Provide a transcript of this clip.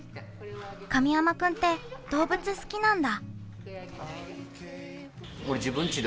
神山君って、動物好きなんだ。